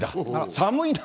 寒いな。